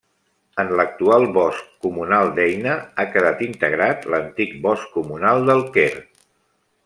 En l'actual Bosc Comunal d'Eina ha quedat integrat l'antic Bosc Comunal del Quer.